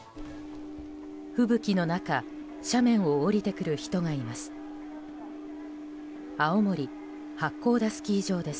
吹雪の中斜面を下りてくる人がいます。